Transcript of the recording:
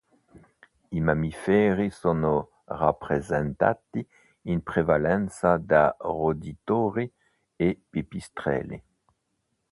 I mammiferi sono rappresentati in prevalenza da roditori e pipistrelli.